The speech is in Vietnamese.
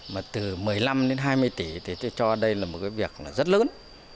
mà từ một mươi năm đến hai mươi tỷ thì tôi cho đây là một cái việc là rất lớn